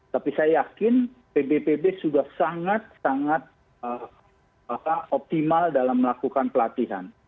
tapi saya yakin pb pbb sudah sangat sangat optimal dalam melakukan pelatihan